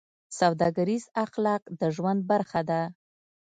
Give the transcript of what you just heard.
سوداګریز اخلاق د ژوند برخه ده.